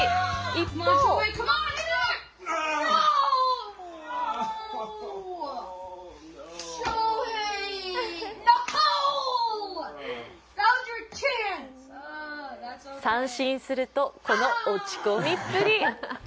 一方三振するとこの落ち込みっぷり。